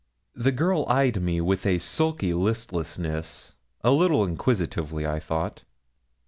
The girl eyed me with a sulky listlessness, a little inquisitively, I thought.